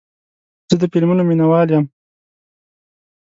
زه د فلمونو مینهوال یم.